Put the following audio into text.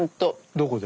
どこで？